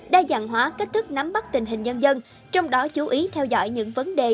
đa dạng hóa cách thức nắm bắt tình hình nhân dân trong đó chú ý theo dõi những vấn đề